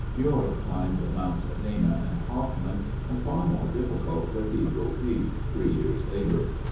Muir climbed Mounts Dana and Hoffmann, and far more difficult Cathedral Peak, three years later.